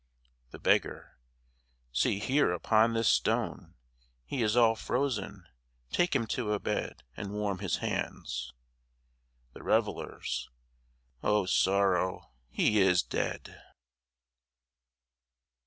THE BEGGAR See here upon this stone ... He is all frozen ... take him to a bed And warm his hands. THE REVELLERS O sorrow, he is dead!